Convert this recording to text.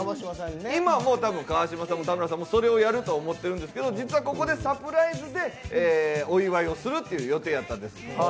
今もう多分、川島さんも田村さんもそれをやると思ってるんですけど、実はここでサプライズでお祝いするという予定やったんです。